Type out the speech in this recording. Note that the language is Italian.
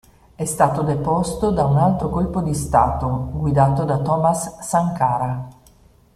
È stato deposto da un altro colpo di Stato guidato da Thomas Sankara.